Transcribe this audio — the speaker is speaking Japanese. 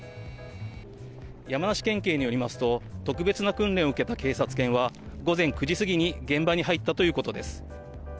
山梨県警によりますと特別な訓練を受けた警察犬は午前９時過ぎに現場に入ったということです。